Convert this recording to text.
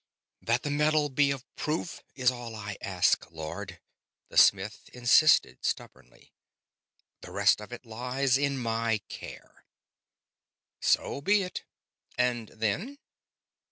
"That the metal be of proof is all I ask, Lord," the smith insisted, stubbornly. "The rest of it lies in my care." "So be it. And then?"